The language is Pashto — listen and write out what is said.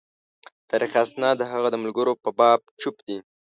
تاریخي اسناد د هغه د ملګرو په باب چوپ دي.